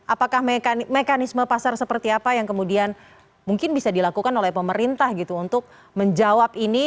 apakah mekanisme pasar seperti apa yang kemudian mungkin bisa dilakukan oleh pemerintah gitu untuk menjawab ini